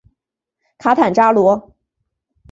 卡坦扎罗。